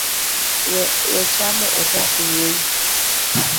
We chamo otas wuoi.